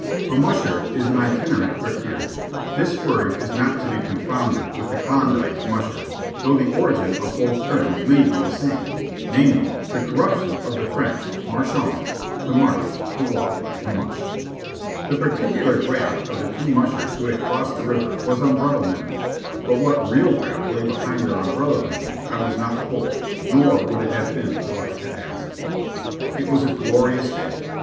A "musher" is an itinerant fakir. This word is not to be confounded with the Klondike "musher," though the origin of both terms may be the same; namely, the corruption of the French marche ons, to march, to walk, to "mush." The particular graft of the two mushers who had crossed the river was umbrella mending; but what real graft lay behind their umbrella mending, I was not told, nor would it have been polite to ask. It was a glorious day.